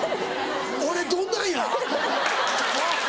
俺どんなんや？